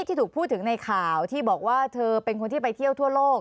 ที่ถูกพูดถึงในข่าวที่บอกว่าเธอเป็นคนที่ไปเที่ยวทั่วโลก